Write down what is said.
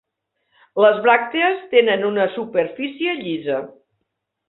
Les bràctees tenen una superfície llisa.